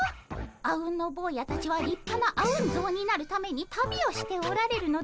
あうんの坊やたちはりっぱなあうん像になるために旅をしておられるのでございますね。